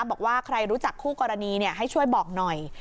บอกว่าใครรู้จักคู่กรณีให้ช่วยบอกหน่อย